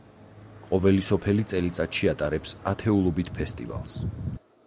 ყოველი სოფელი წელიწადში ატარებს ათეულობით ფესტივალს.